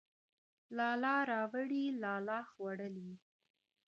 لالا راوړې، لالا خوړلې.